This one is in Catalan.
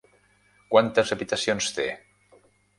Quantes habitacions té?